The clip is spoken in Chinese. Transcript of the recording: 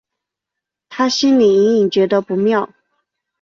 她心里隐隐觉得不妙